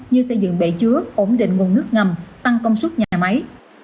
như xây dựng bể chứa ổn định nguồn nước ngầm tăng công suất nhà máy